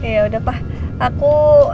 ya udah pak aku